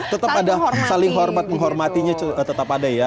tetap ada saling hormat menghormatinya tetap ada ya